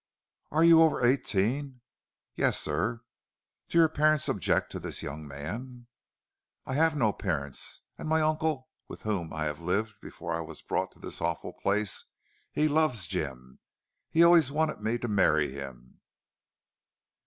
"Are you over eighteen?" "Yes, sir." "Do your parents object to this young man?" "I have no parents. And my uncle, with whom I lived before I was brought to this awful place, he loves Jim. He always wanted me to marry him."